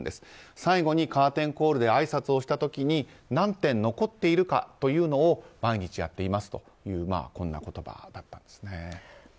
最後にカーテンコールであいさつをした時に何点残っているかというのを毎日やっていますというこんな言葉ですね。